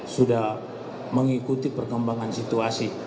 sudah mengikuti perkembangan situasi